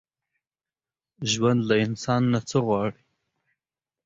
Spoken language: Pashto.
ژوند له انسان نه څه غواړي؟